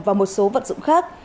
và một số vận dụng khác